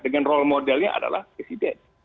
dengan role modelnya adalah presiden